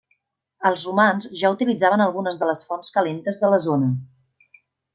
Els romans ja utilitzaven algunes de les fonts calentes de la zona.